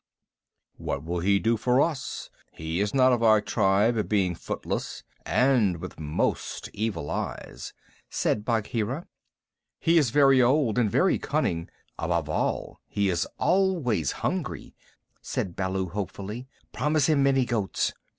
"What will he do for us? He is not of our tribe, being footless and with most evil eyes," said Bagheera. "He is very old and very cunning. Above all, he is always hungry," said Baloo hopefully. "Promise him many goats."